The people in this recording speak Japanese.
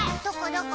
どこ？